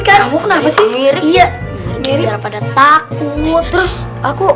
kamu kenapa sih iya gini pada takut terus aku